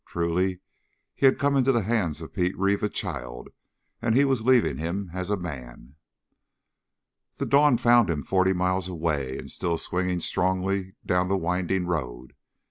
Truly he had come into the hands of Pete Reeve a child, and he was leaving him as a man. The dawn found him forty miles away and still swinging strongly down the winding road.